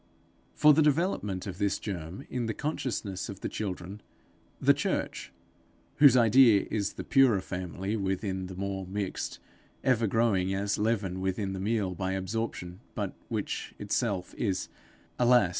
For the development of this germ in the consciousness of the children, the church whose idea is the purer family within the more mixed, ever growing as leaven within the meal by absorption, but which itself is, alas!